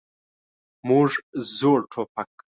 موږ زوړ ټوپک.